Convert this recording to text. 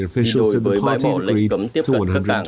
thì đổi với bài bỏ lệnh cấm tiếp cận các càng